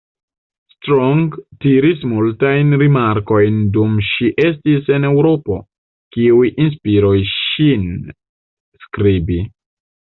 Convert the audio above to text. Strong tiris multajn rimarkojn dum ŝi estis en Eŭropo, kiuj inspiris ŝin skribi.